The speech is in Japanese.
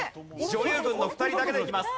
女優軍の２人だけでいきます。